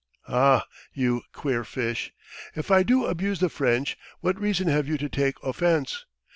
"Ah, you queer fish! If I do abuse the French, what reason have you to take offence?